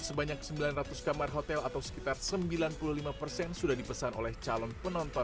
sebanyak sembilan ratus kamar hotel atau sekitar sembilan puluh lima persen sudah dipesan oleh calon penonton